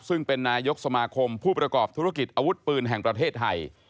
ซึ่งเป็นนายกสมาคมผู้ประกอบธุรกิจอาวุธปืนแห่งประเทศไทย